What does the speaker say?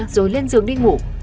rồi lên giường đi ngủ